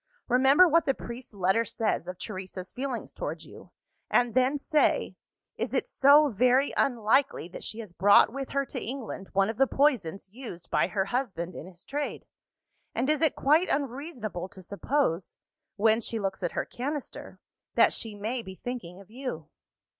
Remember what the priest's letter says of Teresa's feeling towards you, and then say Is it so very unlikely that she has brought with her to England one of the poisons used by her husband in his trade? and is it quite unreasonable to suppose (when she looks at her canister) that she may be thinking of you?